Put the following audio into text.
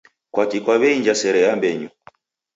Kwaki kwaw'einja sere ya mbenyu?